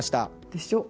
でしょ。